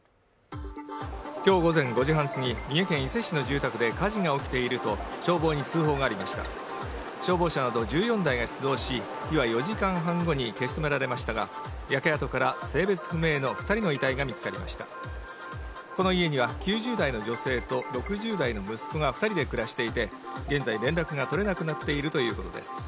きょう午前５時半過ぎ三重県伊勢市の住宅で火事が起きていると消防に通報がありました消防車など１４台が出動し火は４時間半後に消し止められましたが焼け跡から性別不明の二人の遺体が見つかりましたこの家には９０代の女性と６０代の息子が二人で暮らしていて現在連絡が取れなくなっているということです